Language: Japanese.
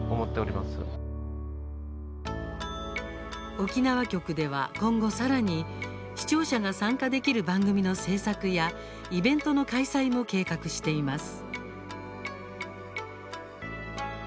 沖縄局では今後さらに視聴者が参加できる番組の制作やイベントの開催も計画しています。